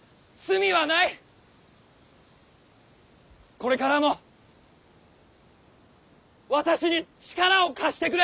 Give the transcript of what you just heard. これからも私に力を貸してくれ。